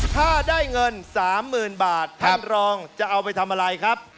ถ้าได้เงิน๓๐๐๐บาทท่านรองจะเอาไปทำอะไรครับ